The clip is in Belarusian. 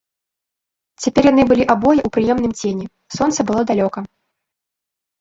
Цяпер яны былі абое ў прыемным цені, сонца было далёка.